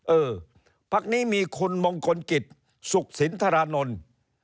เออพักนี้มีคุณมงคลกิจสุขสินทรานนท์